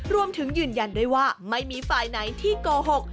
รวมถึงยืนยันด้วยว่าไม่มีฝ่ายในที่โกหก